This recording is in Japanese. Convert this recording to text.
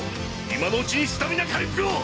今のうちにスタミナ回復を！